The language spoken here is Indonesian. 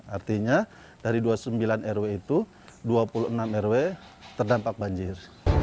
artinya dari dua puluh sembilan rw itu dua puluh enam rw terdampak banjir